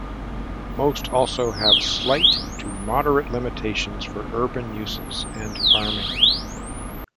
Most also have slight to moderate limitations for urban uses and farming.